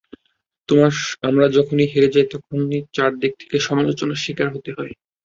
আমরা যখন হেরে যাই তখন চারদিক থেকে সমালোচনার শিকার হতে হয়।